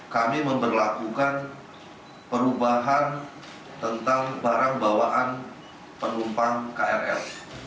kami memperlakukan perubahan tentang barang bawaan penumpang krl